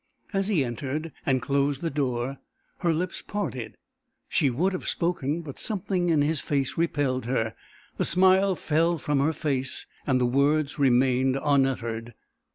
As he entered and closed the door her lips parted; she would have spoken, but something in his face repelled her; the smile fell from her face and the words remained unuttered.